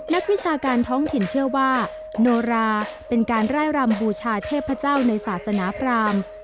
นักวิชาการท้องถิ่นเชื่อว่าโนราเป็นการร่ายรำบูชาเทพเจ้าในศาสนาพราม